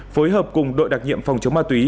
phối hợp cùng đội đặc nhiệm phòng chống ma túy